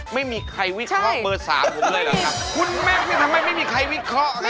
ไม่มีใครวิเคราะห์เบอร์สามผมเลยเหรอครับคุณแม็กซ์นี่ทำไมไม่มีใครวิเคราะห์นะ